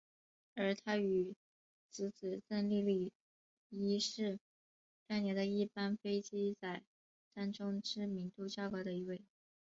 而他与姊姊郑丽丽亦是当年的一班飞机仔当中知名度较高的一位。